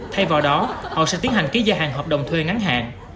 thay vào đó họ sẽ tiến hành ký gia hàng hợp đồng thuê ngắn hạn